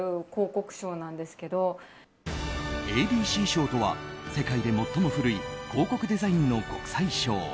ＡＤＣ賞とは世界で最も古い広告デザインの国際賞。